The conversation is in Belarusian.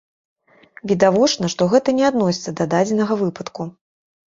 Відавочна, што гэта не адносіцца да дадзенага выпадку.